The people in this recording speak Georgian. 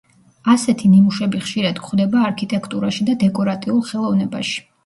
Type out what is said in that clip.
ასეთი ნიმუშები ხშირად გვხდება არქიტექტურაში და დეკორატიულ ხელოვნებაში.